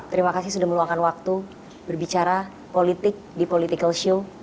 terima kasih sudah meluangkan waktu berbicara politik di political show